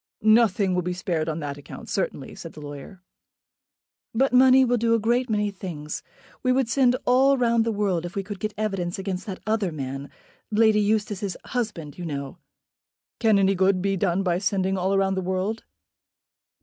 "Nothing will be spared on that account certainly," said the lawyer. "But money will do a great many things. We would send all round the world if we could get evidence against that other man, Lady Eustace's husband, you know." "Can any good be done by sending all round the world?"